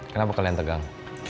kenapa kalian tegang